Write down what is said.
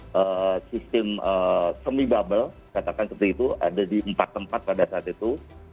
karena sistem semi bubble katakan seperti itu ada di empat tempat pada saat itu